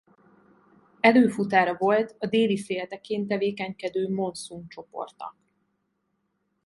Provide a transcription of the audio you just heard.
Előfutára volt a déli féltekén tevékenykedő Monszun csoportnak.